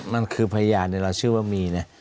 มันคือพยาในราชชื่อว่ามีเนี่ย